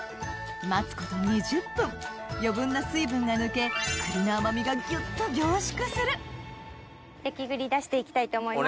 待つこと２０分余分な水分が抜け栗の甘味がギュっと凝縮する焼栗出していきたいと思います。